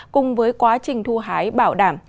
cùng với quá trình thu hái bảo đảm